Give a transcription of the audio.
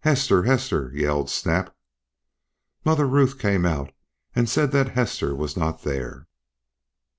"Hester! Hester!" yelled Snap. Mother Ruth came out and said that Hester was not there.